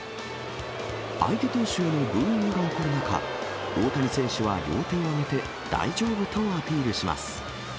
相手投手へのブーイングが起こる中、大谷選手は両手を上げて大丈夫とアピールします。